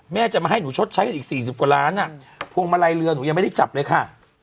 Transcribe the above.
แม่จะมาให้หนูชดใช้กันอีก๔๐กว่าล้านอ่ะพวงมาลัยเรือหนูยังไม่ได้จับเลยค่ะ